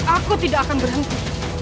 aku tidak akan berhenti